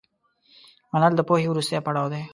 منل د پوهې وروستی پړاو دی.